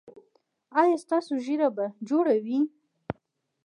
ایا ستاسو ږیره به جوړه وي؟